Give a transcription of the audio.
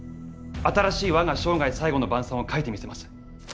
新しい「我が生涯最後の晩餐」を書いてみせます。